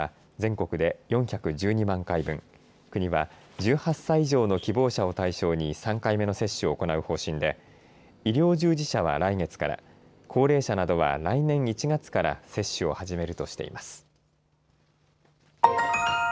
国は１８歳以上の希望者を対象に３回目の接種を行う方針で医療従事者は来月から、高齢者などは来年１月から接種を始めるとしています。